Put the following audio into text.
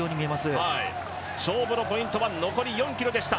勝負のポイントは残り４ｋｍでした。